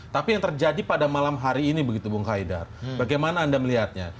tapi yang terjadi pada malam hari ini begitu bung haidar bagaimana anda melihatnya